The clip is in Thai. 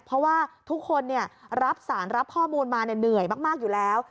เพราะว่าทุกคนรับสารรับข้อมูลมาเหนื่อยมากอยู่แล้ว